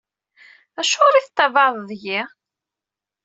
Acuɣeṛ i teṭṭabaɛed deg-i?